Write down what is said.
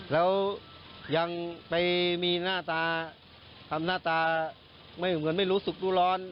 แล้วยังไปมีหน้าตาทำหน้าตาไม่เหมือนไม่รู้สึกรู้ร้อน